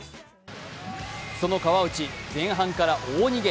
その川内、前半から大逃げ。